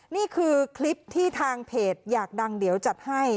นี่คือคลิปที่ทางเพจอยากดังเดี๋ยวจัดให้